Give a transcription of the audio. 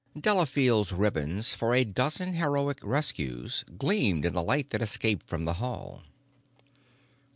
Delafield's ribbons for a dozen heroic rescues gleamed in the light that escaped from the hall.